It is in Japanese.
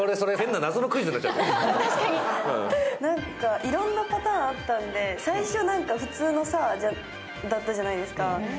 いろんなパターンあったんで、最初普通の「さぁ」だったじゃないですか。